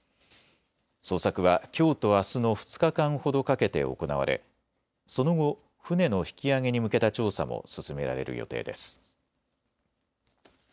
捜索はきょうとあすの２日間ほどかけて行われ、その後、船の引き揚げに向けた調査も進められる予定です。